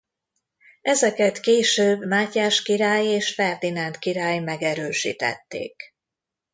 Ezeket később Mátyás király és Ferdinánd király megerősítették.